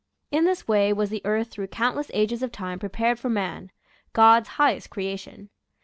In this way was the earth through countless ages of time prepared for man — God's highest creation.